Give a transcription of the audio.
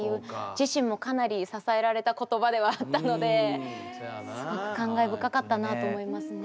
自身もかなり支えられた言葉ではあったので感慨深かったなあと思いますね。